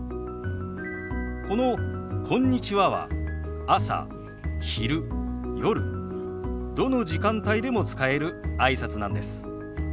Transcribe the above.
この「こんにちは」は朝昼夜どの時間帯でも使えるあいさつなんです。